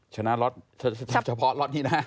ชนะล็อตเฉพาะล็อตที่หน้า